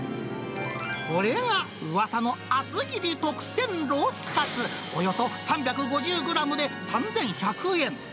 これがうわさの厚切り特選ロースかつ、およそ３５０グラムで３１００円。